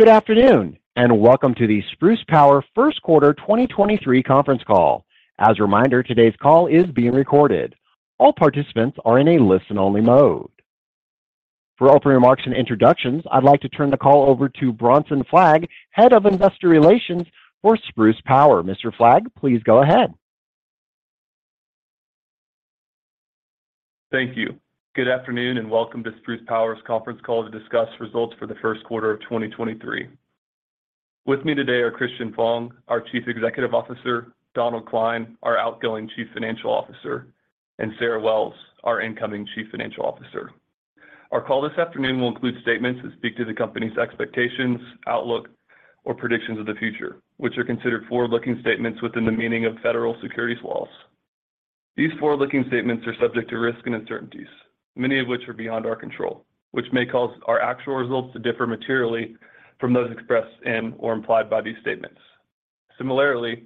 Good afternoon. Welcome to the Spruce Power First Quarter 2023 Conference Call. As a reminder, today's call is being recorded. All participants are in a listen only mode. For opening remarks and introductions, I'd like to turn the call over to Bronson Fleig, Head of Investor Relations for Spruce Power. Mr. Fleig, please go ahead. Thank you. Good afternoon, welcome to Spruce Power's conference call to discuss results for the first quarter of 2023. With me today are Christian Fong, our Chief Executive Officer, Donald Klein, our outgoing Chief Financial Officer, and Sarah Wells, our incoming Chief Financial Officer. Our call this afternoon will include statements that speak to the company's expectations, outlook, or predictions of the future, which are considered forward-looking statements within the meaning of federal securities laws. These forward-looking statements are subject to risks and uncertainties, many of which are beyond our control, which may cause our actual results to differ materially from those expressed and/or implied by these statements. Similarly,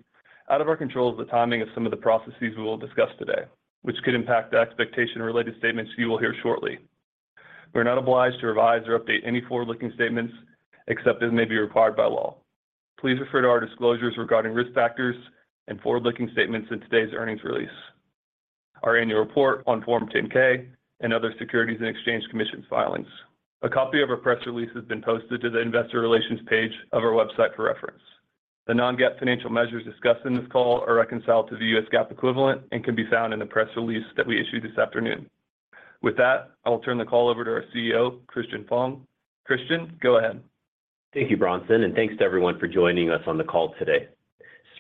out of our control is the timing of some of the processes we will discuss today, which could impact the expectation-related statements you will hear shortly. We are not obliged to revise or update any forward-looking statements, except as may be required by law. Please refer to our disclosures regarding risk factors and forward-looking statements in today's earnings release, our annual report on Form 10-K, and other Securities and Exchange Commission filings. A copy of our press release has been posted to the investor relations page of our website for reference. The non-GAAP financial measures discussed in this call are reconciled to the U.S. GAAP equivalent and can be found in the press release that we issued this afternoon. With that, I will turn the call over to our CEO, Christian Fong. Christian, go ahead. Thank you, Bronson, and thanks to everyone for joining us on the call today.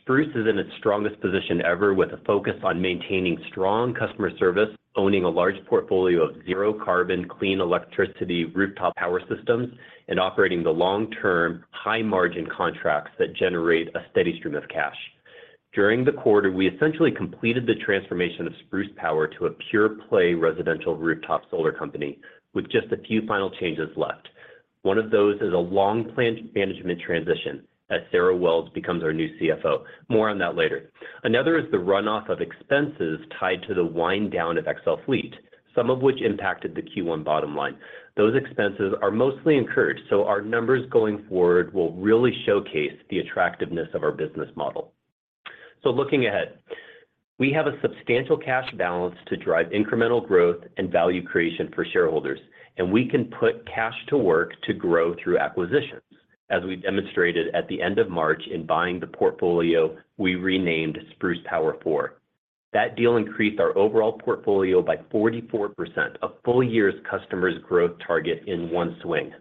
Spruce is in its strongest position ever with a focus on maintaining strong customer service, owning a large portfolio of zero carbon clean electricity rooftop power systems, and operating the long-term high margin contracts that generate a steady stream of cash. During the quarter, we essentially completed the transformation of Spruce Power to a pure play residential rooftop solar company with just a few final changes left. One of those is a long planned management transition as Sarah Wells becomes our new CFO. More on that later. Another is the runoff of expenses tied to the wind down of XL Fleet, some of which impacted the Q1 bottom line. Those expenses are mostly incurred, so our numbers going forward will really showcase the attractiveness of our business model. Looking ahead, we have a substantial cash balance to drive incremental growth and value creation for shareholders, and we can put cash to work to grow through acquisitions, as we demonstrated at the end of March in buying the portfolio we renamed Spruce Power 4. That deal increased our overall portfolio by 44%, a full year's customers growth target in one swing.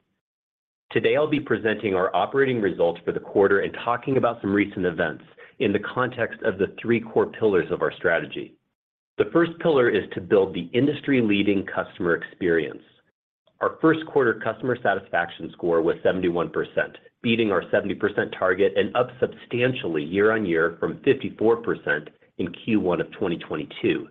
Today, I'll be presenting our operating results for the quarter and talking about some recent events in the context of the three core pillars of our strategy. The first pillar is to build the industry leading customer experience. Our first quarter customer satisfaction score was 71%, beating our 70% target and up substantially year-on-year from 54% in Q1 of 2022.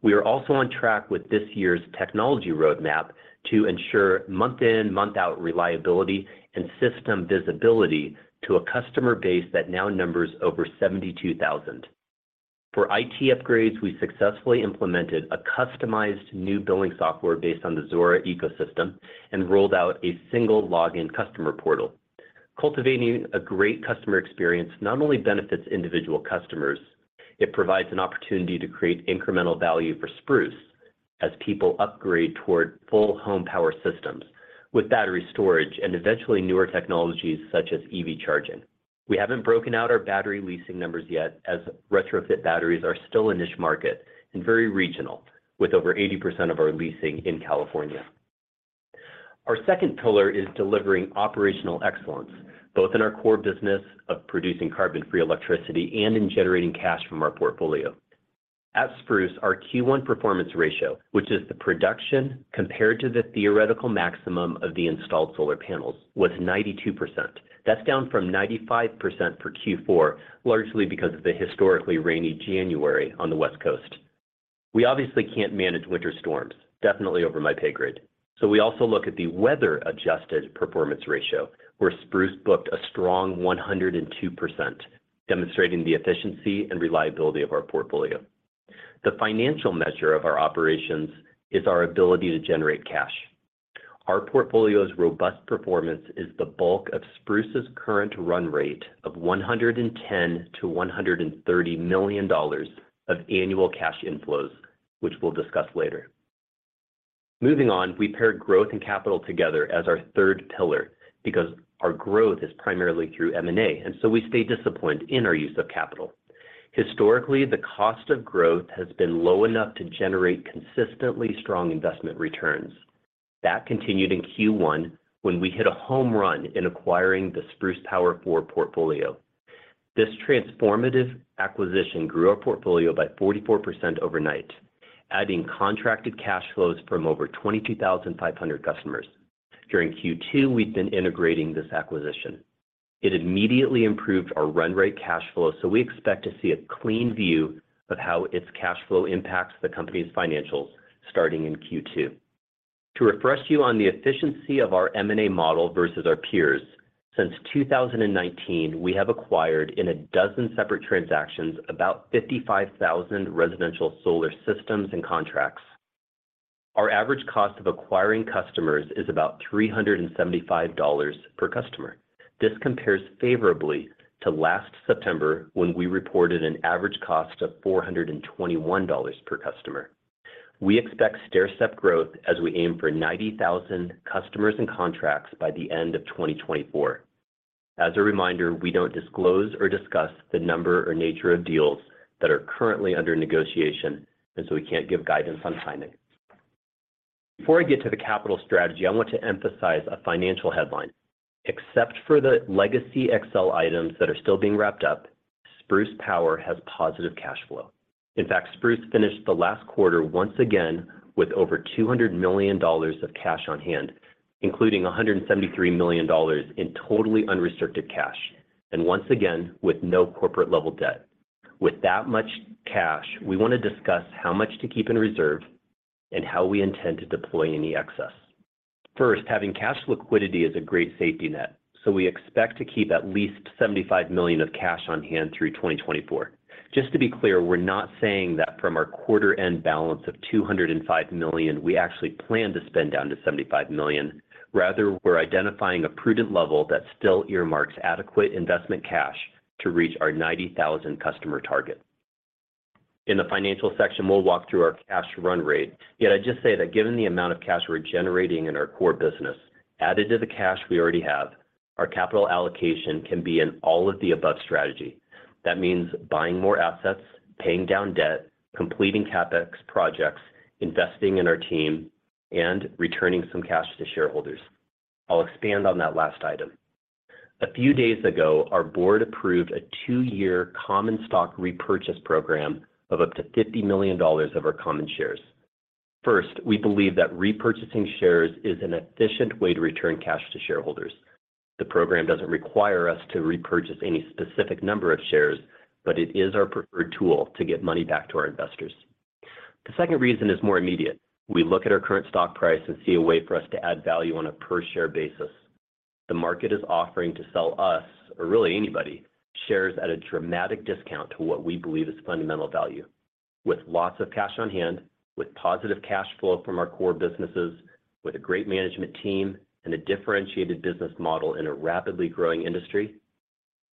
We are also on track with this year's technology roadmap to ensure month in, month out reliability and system visibility to a customer base that now numbers over 72,000. For IT upgrades, we successfully implemented a customized new billing software based on the Zuora ecosystem and rolled out a single login customer portal. Cultivating a great customer experience not only benefits individual customers, it provides an opportunity to create incremental value for Spruce as people upgrade toward full home power systems with battery storage and eventually newer technologies such as EV charging. We haven't broken out our battery leasing numbers yet, as retrofit batteries are still a niche market and very regional, with over 80% of our leasing in California. Our second pillar is delivering operational excellence, both in our core business of producing carbon-free electricity and in generating cash from our portfolio. At Spruce, our Q1 Performance Ratio, which is the production compared to the theoretical maximum of the installed solar panels, was 92%. That's down from 95% for Q4, largely because of the historically rainy January on the West Coast. We obviously can't manage winter storms, definitely over my pay grade. We also look at the weather-adjusted Performance Ratio, where Spruce booked a strong 102%, demonstrating the efficiency and reliability of our portfolio. The financial measure of our operations is our ability to generate cash. Our portfolio's robust performance is the bulk of Spruce's current run rate of $110 million-$130 million of annual cash inflows, which we'll discuss later. Moving on, we paired growth and capital together as our third pillar because our growth is primarily through M&A, we stay disciplined in our use of capital. Historically, the cost of growth has been low enough to generate consistently strong investment returns. That continued in Q1 when we hit a home run in acquiring the Spruce Power 4 portfolio. This transformative acquisition grew our portfolio by 44% overnight, adding contracted cash flows from over 22,500 customers. During Q2, we've been integrating this acquisition. It immediately improved our run rate cash flow, we expect to see a clean view of how its cash flow impacts the company's financials starting in Q2. To refresh you on the efficiency of our M&A model versus our peers, since 2019, we have acquired in a dozen separate transactions about 55,000 residential solar systems and contracts. Our average cost of acquiring customers is about $375 per customer. This compares favorably to last September when we reported an average cost of $421 per customer. We expect stair-step growth as we aim for 90,000 customers and contracts by the end of 2024. As a reminder, we don't disclose or discuss the number or nature of deals that are currently under negotiation, and so we can't give guidance on timing. Before I get to the capital strategy, I want to emphasize a financial headline. Except for the legacy XL items that are still being wrapped up, Spruce Power has positive cash flow. In fact, Spruce finished the last quarter once again with over $200 million of cash on hand, including $173 million in totally unrestricted cash. Once again, with no corporate-level debt. With that much cash, we want to discuss how much to keep in reserve and how we intend to deploy any excess. First, having cash liquidity is a great safety net, so we expect to keep at least $75 million of cash on hand through 2024. Just to be clear, we're not saying that from our quarter-end balance of $205 million, we actually plan to spend down to $75 million. Rather, we're identifying a prudent level that still earmarks adequate investment cash to reach our 90,000 customer target. In the financial section, we'll walk through our cash run rate. I'd just say that given the amount of cash we're generating in our core business, added to the cash we already have, our capital allocation can be an all-of-the-above strategy. That means buying more assets, paying down debt, completing CapEx projects, investing in our team, and returning some cash to shareholders. I'll expand on that last item. A few days ago, our board approved a two-year common stock repurchase program of up to $50 million of our common shares. First, we believe that repurchasing shares is an efficient way to return cash to shareholders. The program doesn't require us to repurchase any specific number of shares, but it is our preferred tool to get money back to our investors. The second reason is more immediate. We look at our current stock price and see a way for us to add value on a per-share basis. The market is offering to sell us, or really anybody, shares at a dramatic discount to what we believe is fundamental value. With lots of cash on hand, with positive cash flow from our core businesses, with a great management team, and a differentiated business model in a rapidly growing industry,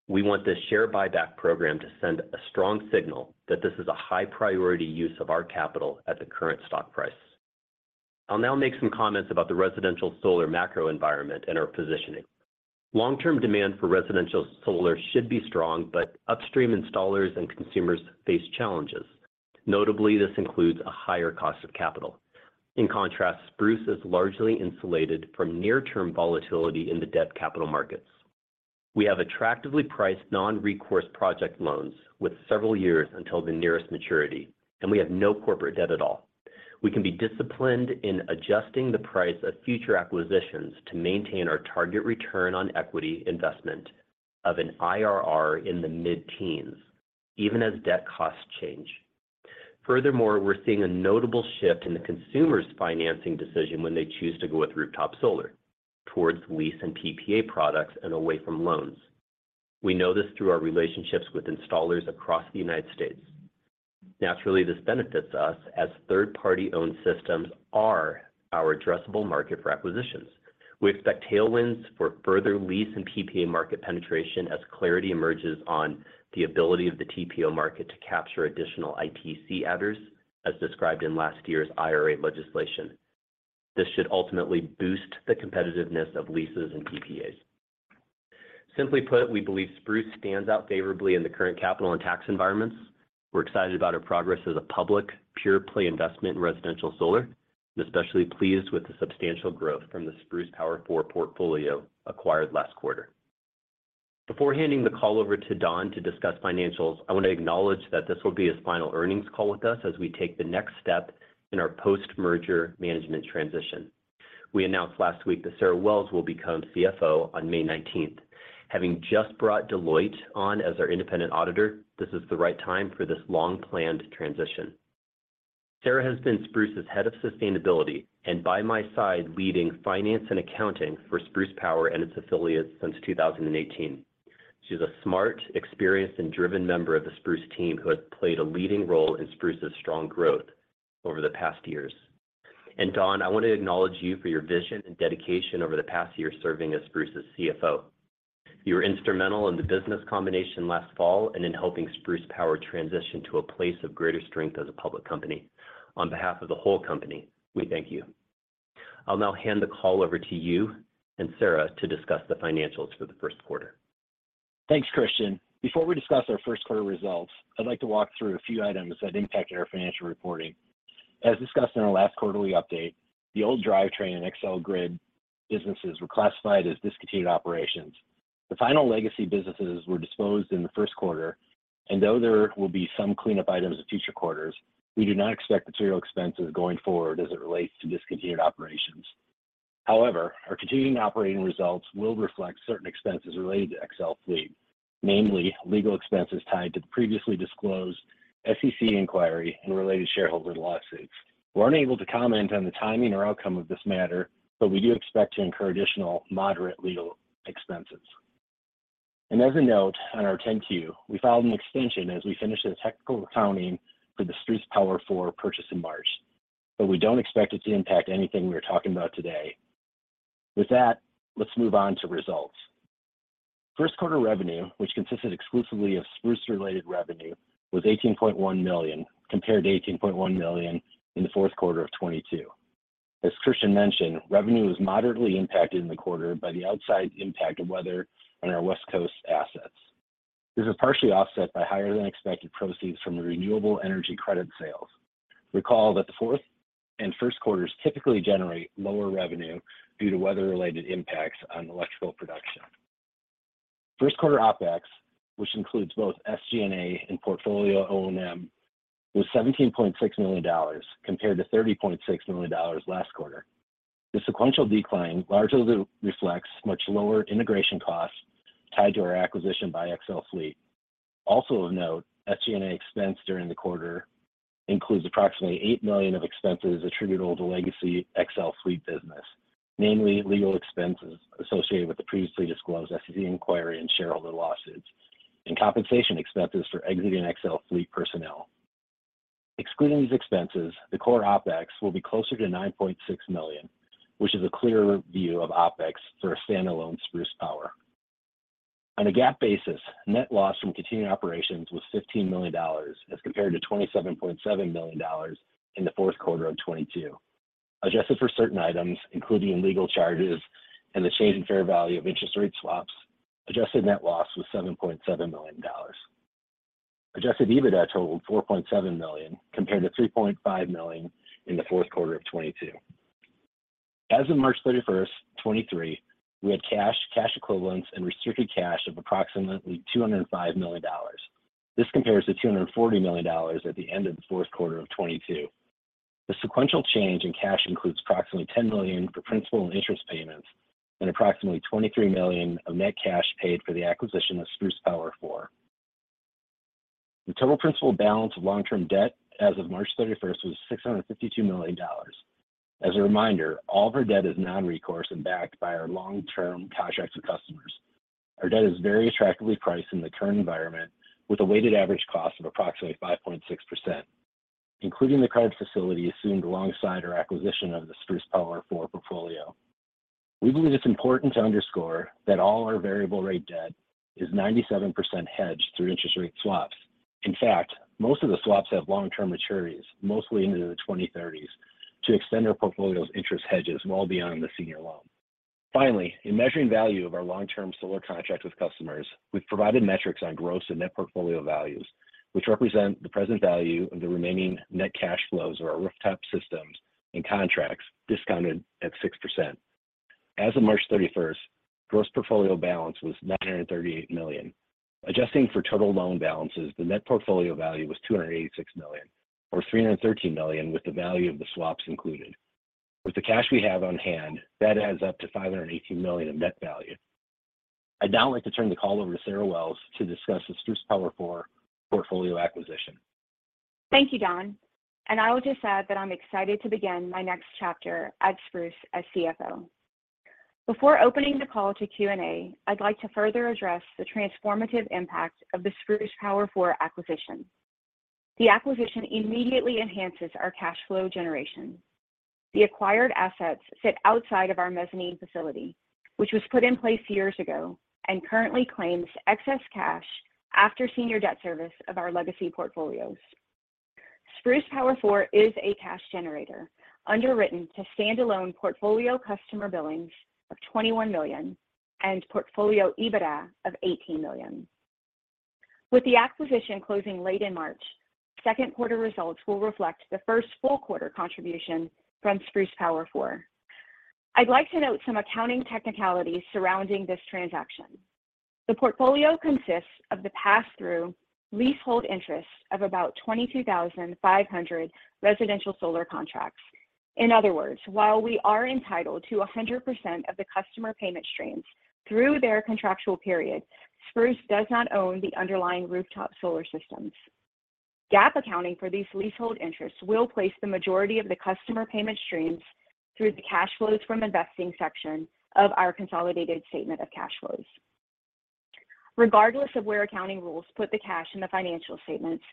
we want this share buyback program to send a strong signal that this is a high-priority use of our capital at the current stock price. I'll now make some comments about the residential solar macro environment and our positioning. Long-term demand for residential solar should be strong, but upstream installers and consumers face challenges. Notably, this includes a higher cost of capital. In contrast, Spruce is largely insulated from near-term volatility in the debt capital markets. We have attractively priced non-recourse project loans with several years until the nearest maturity, and we have no corporate debt at all. We can be disciplined in adjusting the price of future acquisitions to maintain our target return on equity investment of an IRR in the mid-teens, even as debt costs change. Furthermore, we're seeing a notable shift in the consumer's financing decision when they choose to go with rooftop solar towards lease and PPA products and away from loans. We know this through our relationships with installers across the United States. Naturally, this benefits us as third-party owned systems are our addressable market for acquisitions. We expect tailwinds for further lease and PPA market penetration as clarity emerges on the ability of the TPO market to capture additional ITC adders, as described in last year's IRA legislation. This should ultimately boost the competitiveness of leases and PPAs. Simply put, we believe Spruce Power stands out favorably in the current capital and tax environments. We're excited about our progress as a public, pure-play investment in residential solar, and especially pleased with the substantial growth from the Spruce Power 4 portfolio acquired last quarter. Before handing the call over to Don to discuss financials, I want to acknowledge that this will be his final earnings call with us as we take the next step in our post-merger management transition. We announced last week that Sarah Wells will become CFO on May 19th. Having just brought Deloitte on as our independent auditor, this is the right time for this long-planned transition. Sarah has been Spruce's Head of Sustainability and by my side leading finance and accounting for Spruce Power and its affiliates since 2018. She's a smart, experienced, and driven member of the Spruce team who has played a leading role in Spruce's strong growth over the past years. Don, I want to acknowledge you for your vision and dedication over the past year serving as Spruce's CFO. You were instrumental in the business combination last fall and in helping Spruce Power transition to a place of greater strength as a public company. On behalf of the whole company, we thank you. I'll now hand the call over to you and Sarah to discuss the financials for the first quarter. Thanks, Christian. Before we discuss our first quarter results, I'd like to walk through a few items that impacted our financial reporting. As discussed in our last quarterly update, the old Drivetrain and XL Grid businesses were classified as discontinued operations. The final legacy businesses were disposed in the first quarter, and though there will be some cleanup items in future quarters, we do not expect material expenses going forward as it relates to discontinued operations. Our continuing operating results will reflect certain expenses related to XL Fleet, namely legal expenses tied to the previously disclosed SEC inquiry and related shareholder lawsuits. We're unable to comment on the timing or outcome of this matter, but we do expect to incur additional moderate legal expenses. As a note on our Form 10-Q, we filed an extension as we finish the technical accounting for the Spruce Power 4 purchase in March, but we don't expect it to impact anything we are talking about today. With that, let's move on to results. First quarter revenue, which consisted exclusively of Spruce-related revenue, was $18.1 million, compared to $18.1 million in the fourth quarter of 2022. As Christian mentioned, revenue was moderately impacted in the quarter by the outsized impact of weather on our West Coast assets. This is partially offset by higher than expected proceeds from renewable energy credit sales. Recall that the fourth and first quarters typically generate lower revenue due to weather-related impacts on electrical production. First quarter OpEx, which includes both SG&A and portfolio O&M, was $17.6 million compared to $30.6 million last quarter. The sequential decline largely reflects much lower integration costs tied to our acquisition by XL Fleet. Of note, SG&A expense during the quarter includes approximately $8 million of expenses attributable to legacy XL Fleet business, namely legal expenses associated with the previously disclosed SEC inquiry and shareholder lawsuits and compensation expenses for exiting XL Fleet personnel. Excluding these expenses, the core OpEx will be closer to $9.6 million, which is a clear view of OpEx for a standalone Spruce Power. On a GAAP basis, net loss from continuing operations was $15 million as compared to $27.7 million in the fourth quarter of 2022. Adjusted for certain items, including legal charges and the change in fair value of interest rate swaps, adjusted net loss was $7.7 million. Adjusted EBITDA totaled $4.7 million, compared to $3.5 million in the fourth quarter of 2022. As of March 31, 2023, we had cash equivalents and restricted cash of approximately $205 million. This compares to $240 million at the end of the fourth quarter of 2022. The sequential change in cash includes approximately $10 million for principal and interest payments and approximately $23 million of net cash paid for the acquisition of Spruce Power 4. The total principal balance of long term debt as of March 31 was $652 million. As a reminder, all of our debt is non-recourse and backed by our long term contracts with customers. Our debt is very attractively priced in the current environment with a weighted average cost of approximately 5.6%, including the credit facility assumed alongside our acquisition of the Spruce Power 4 portfolio. We believe it's important to underscore that all our variable rate debt is 97% hedged through interest rate swaps. In fact, most of the swaps have long term maturities, mostly into the 2030s, to extend our portfolio's interest hedges well beyond the senior loan. Finally, in measuring value of our long term solar contracts with customers, we've provided metrics on gross and net portfolio values, which represent the present value of the remaining net cash flows or our rooftop systems and contracts discounted at 6%. As of March 31st, gross portfolio balance was $938 million. Adjusting for total loan balances, the net portfolio value was $286 million or $313 million with the value of the swaps included. With the cash we have on hand, that adds up to $518 million of net value. I'd now like to turn the call over to Sarah Wells to discuss the Spruce Power 4 portfolio acquisition. Thank you, Don. I will just add that I'm excited to begin my next chapter at Spruce as CFO. Before opening the call to Q&A, I'd like to further address the transformative impact of the Spruce Power 4 acquisition. The acquisition immediately enhances our cash flow generation. The acquired assets sit outside of our mezzanine facility, which was put in place years ago and currently claims excess cash after senior debt service of our legacy portfolios. Spruce Power 4 is a cash generator underwritten to standalone portfolio customer billings of $21 million and portfolio EBITDA of $18 million. With the acquisition closing late in March, second quarter results will reflect the first full quarter contribution from Spruce Power 4. I'd like to note some accounting technicalities surrounding this transaction. The portfolio consists of the pass through leasehold interests of about 22,500 residential solar contracts. In other words, while we are entitled to 100% of the customer payment streams through their contractual period, Spruce does not own the underlying rooftop solar systems. GAAP accounting for these leasehold interests will place the majority of the customer payment streams through the cash flows from investing section of our consolidated statement of cash flows. Regardless of where accounting rules put the cash in the financial statements,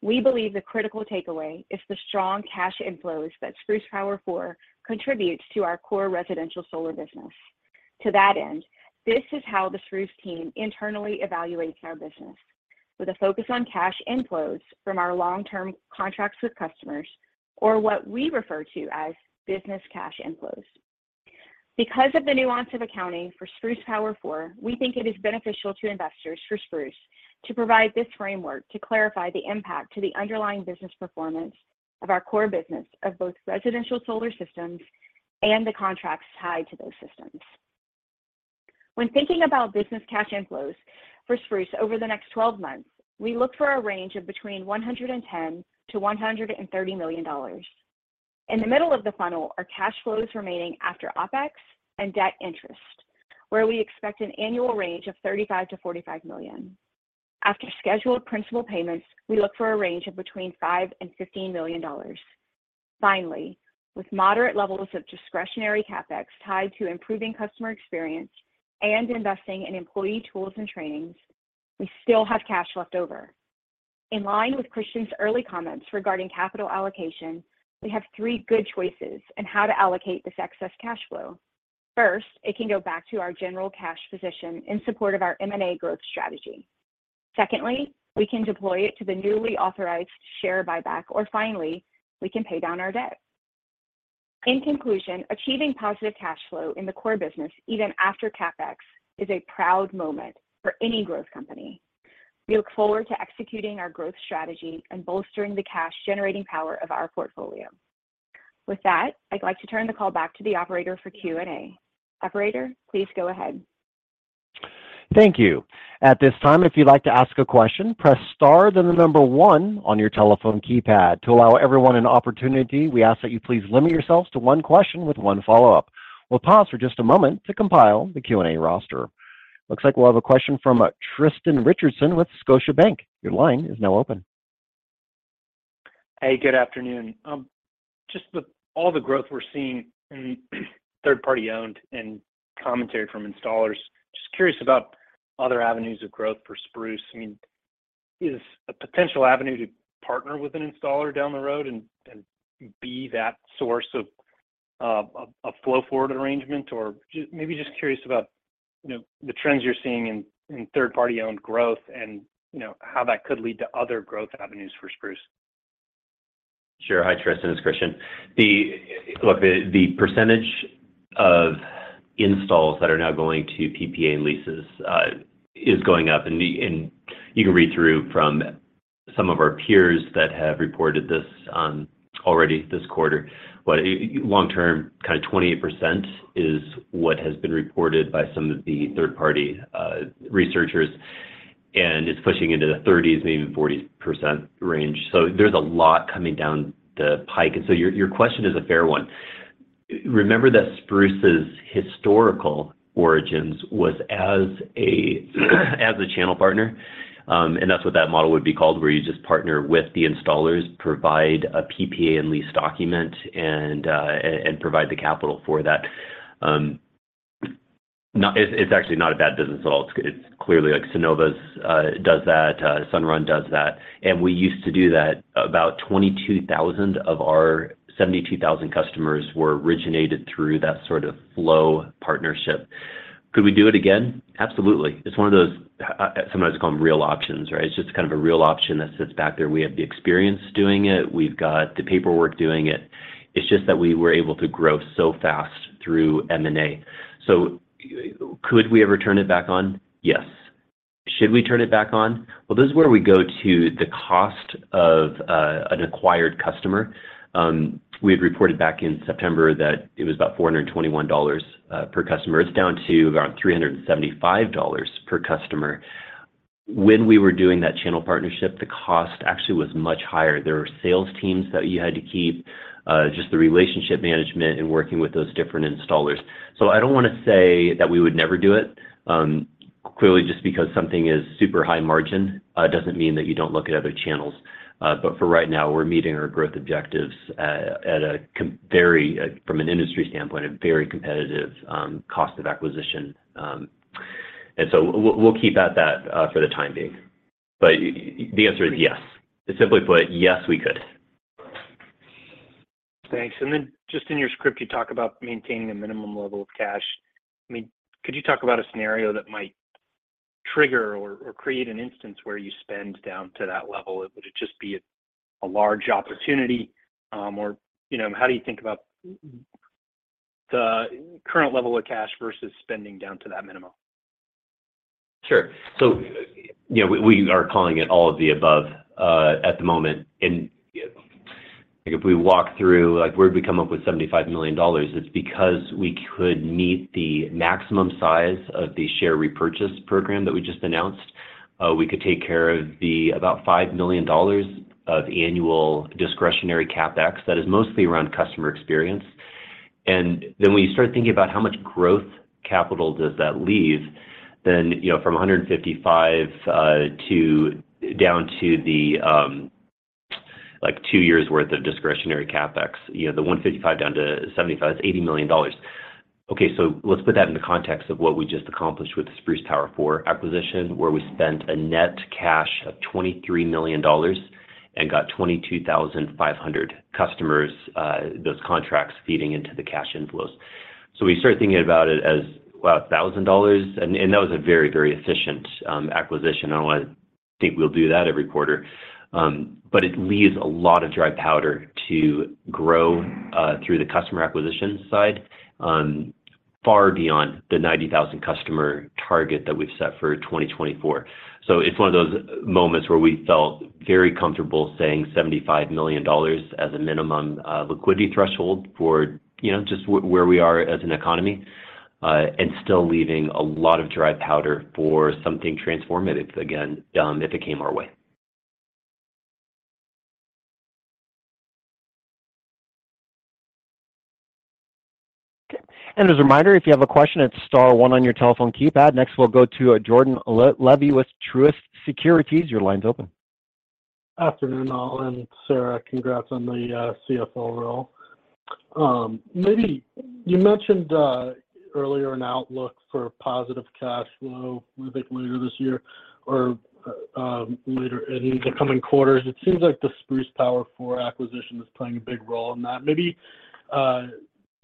we believe the critical takeaway is the strong cash inflows that Spruce Power 4 contributes to our core residential solar business. To that end, this is how the Spruce team internally evaluates our business with a focus on cash inflows from our long term contracts with customers or what we refer to as business cash inflows. Because of the nuance of accounting for Spruce Power 4, we think it is beneficial to investors for Spruce to provide this framework to clarify the impact to the underlying business performance of our core business of both residential solar systems and the contracts tied to those systems. When thinking about business cash inflows for Spruce over the next 12 months, we look for a range of between $110 million-$130 million. In the middle of the funnel are cash flows remaining after OpEx and debt interest, where we expect an annual range of $35 million-$45 million. After scheduled principal payments, we look for a range of between $5 million-$15 million. Finally, with moderate levels of discretionary CapEx tied to improving customer experience and investing in employee tools and trainings, we still have cash left over. In line with Christian's early comments regarding capital allocation, we have three good choices in how to allocate this excess cash flow. First, it can go back to our general cash position in support of our M&A growth strategy. Secondly, we can deploy it to the newly authorized share buyback. Finally, we can pay down our debt. In conclusion, achieving positive cash flow in the core business, even after CapEx, is a proud moment for any growth company. We look forward to executing our growth strategy and bolstering the cash-generating power of our portfolio. With that, I'd like to turn the call back to the operator for Q&A. Operator, please go ahead. Thank you. At this time, if you'd like to ask a question, press star, then one on your telephone keypad. To allow everyone an opportunity, we ask that you please limit yourselves to one question with one follow-up. We'll pause for just a moment to compile the Q&A roster. Looks like we'll have a question from Tristan Richardson with Scotiabank. Your line is now open. Hey, good afternoon. Just with all the growth we're seeing in third-party owned and commentary from installers, just curious about other avenues of growth for Spruce. I mean, is a potential avenue to partner with an installer down the road and be that source of a flow-forward arrangement? Maybe just curious about, you know, the trends you're seeing in third-party owned growth and, you know, how that could lead to other growth avenues for Spruce? Sure. Hi, Tristan Richardson, it's Christian Fong. Look, the percentage of installs that are now going to PPA leases is going up, and you can read through from some of our peers that have reported this already this quarter. Long term, kind of 28% is what has been reported by some of the third-party researchers, and it's pushing into the 30s, maybe even 40% range. There's a lot coming down the pike. Your question is a fair one. Remember that Spruce Power's historical origins was as a channel partner, and that's what that model would be called, where you just partner with the installers, provide a PPA and lease document, and provide the capital for that. It's actually not a bad business at all. It's clearly like Sunnova's does that, Sunrun does that, and we used to do that. About 22,000 of our 72,000 customers were originated through that sort of flow partnership. Could we do it again? Absolutely. It's one of those sometimes called real options, right? It's just kind of a real option that sits back there. We have the experience doing it. We've got the paperwork doing it. It's just that we were able to grow so fast through M&A. Could we ever turn it back on? Yes. Should we turn it back on? This is where we go to the cost of an acquired customer. We had reported back in September that it was about $421 per customer. It's down to around $375 per customer. When we were doing that channel partnership, the cost actually was much higher. There were sales teams that you had to keep, just the relationship management and working with those different installers. I don't wanna say that we would never do it. Clearly, just because something is super high margin, doesn't mean that you don't look at other channels. For right now, we're meeting our growth objectives at a very, from an industry standpoint, a very competitive, cost of acquisition. We'll keep at that for the time being. The answer is yes. Simply put, yes, we could. Thanks. Just in your script, you talk about maintaining a minimum level of cash. I mean, could you talk about a scenario that might trigger or create an instance where you spend down to that level? Would it just be a large opportunity? You know, how do you think about the current level of cash versus spending down to that minimum? Sure. you know, we are calling it all of the above at the moment. If we walk through, like, where'd we come up with $75 million, it's because we could meet the maximum size of the share repurchase program that we just announced. We could take care of the about $5 million of annual discretionary CapEx that is mostly around customer experience. When you start thinking about how much growth capital does that leave, you know, from 155 down to the like two years worth of discretionary CapEx, you know, the 155 down to 75 is $80 million. Okay. Let's put that in the context of what we just accomplished with the Spruce Power 4 acquisition, where we spent a net cash of $23 million and got 22,500 customers, those contracts feeding into the cash inflows. We start thinking about it as, well, $1,000, and that was a very, very efficient acquisition. I don't want to think we'll do that every quarter. It leaves a lot of dry powder to grow through the customer acquisition side, far beyond the 90,000 customer target that we've set for 2024. It's one of those moments where we felt very comfortable saying $75 million as a minimum, liquidity threshold for, you know, just where we are as an economy, and still leaving a lot of dry powder for something transformative, again, if it came our way. As a reminder, if you have a question, it's star one on your telephone keypad. Next, we'll go to Jordan Levy with Truist Securities. Your line's open. Afternoon, all, Sarah, congrats on the CFO role. Maybe you mentioned earlier an outlook for positive cash flow a bit later this year or later in the coming quarters. It seems like the Spruce Power 4 acquisition is playing a big role in that. Maybe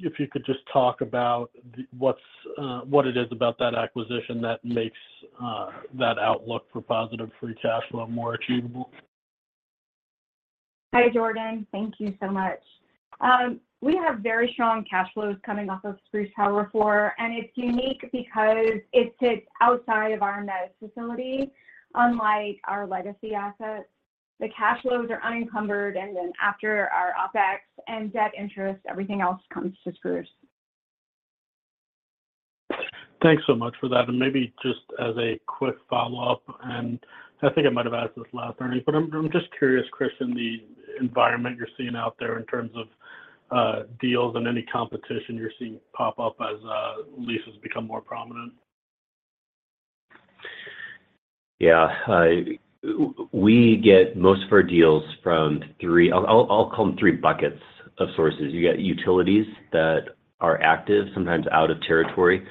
if you could just talk about what's what it is about that acquisition that makes that outlook for positive free cash flow more achievable? Hi, Jordan. Thank you so much. We have very strong cash flows coming off of Spruce Power 4, and it's unique because it sits outside of our net facility, unlike our legacy assets. The cash flows are unencumbered, and then after our OpEx and debt interest, everything else comes to Spruce. Thanks so much for that. Maybe just as a quick follow-up, and I think I might have asked this last earnings, but I'm just curious, Chris, in the environment you're seeing out there in terms of deals and any competition you're seeing pop up as leases become more prominent? Yeah. We get most of our deals from three. I'll call them three buckets of sources. You got utilities that are active, sometimes out of territory.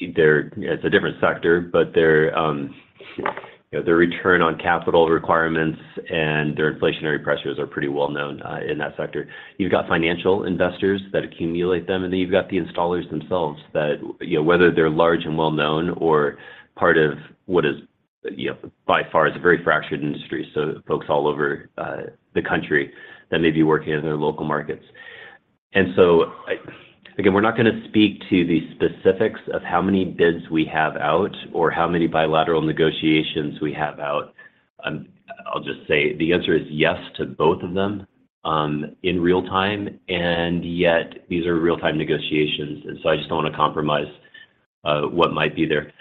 It's a different sector, but they're, you know, their return on capital requirements and their inflationary pressures are pretty well known in that sector. You've got financial investors that accumulate them. You've got the installers themselves that, you know, whether they're large and well-known or part of what is, you know, by far is a very fractured industry. Folks all over the country that may be working in their local markets. Again, we're not gonna speak to the specifics of how many bids we have out or how many bilateral negotiations we have out. I'll just say the answer is yes to both of them, in real time. Yet these are real-time negotiations, so I just don't want to compromise what might be there.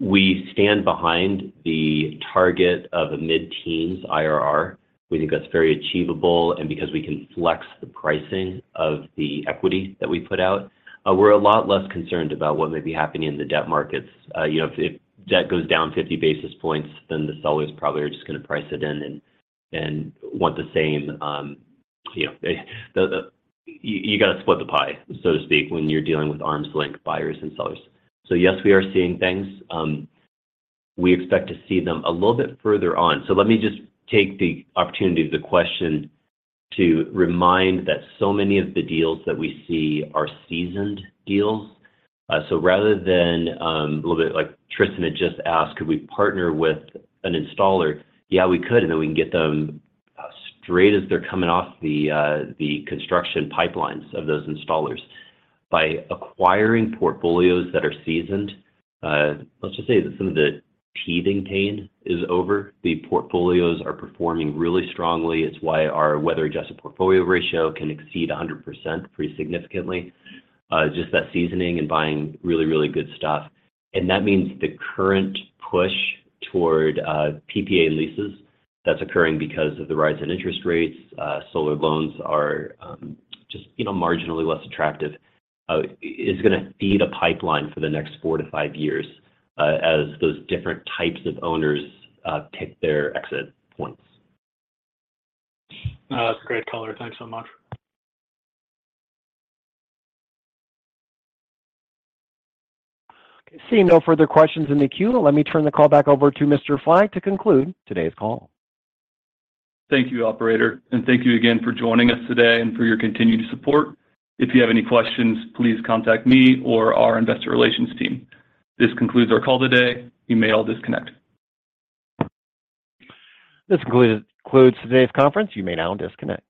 We stand behind the target of a mid-teens IRR. We think that's very achievable. Because we can flex the pricing of the equity that we put out, we're a lot less concerned about what may be happening in the debt markets. You know, if debt goes down 50 basis points, then the sellers probably are just gonna price it in and want the same, you know. You gotta split the pie, so to speak, when you're dealing with arm's length buyers and sellers. Yes, we are seeing things. We expect to see them a little bit further on. Let me just take the opportunity of the question to remind that so many of the deals that we see are seasoned deals. Rather than, a little bit like Tristan had just asked, could we partner with an installer? Yeah, we could, and then we can get them straight as they're coming off the construction pipelines of those installers. By acquiring portfolios that are seasoned, let's just say that some of the teething pain is over. The portfolios are performing really strongly. It's why our weather-adjusted portfolio ratio can exceed 100% pretty significantly. It's just that seasoning and buying really, really good stuff. That means the current push toward PPA leases that's occurring because of the rise in interest rates, solar loans are, just, you know, marginally less attractive, is gonna feed a pipeline for the next four-five years, as those different types of owners pick their exit points. That's a great color. Thanks so much. Seeing no further questions in the queue, let me turn the call back over to Christian Fong to conclude today's call. Thank you, operator, and thank you again for joining us today and for your continued support. If you have any questions, please contact me or our investor relations team. This concludes our call today. You may all disconnect. This concludes today's conference. You may now disconnect.